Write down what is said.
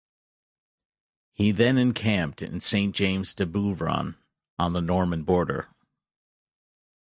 He then encamped in Saint James-de-Beuvron, on the Norman border.